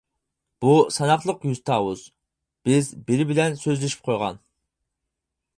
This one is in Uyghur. -بۇ ساناقلىق يۈز تاۋۇز، بىز بىرى بىلەن سۆزلىشىپ قويغان.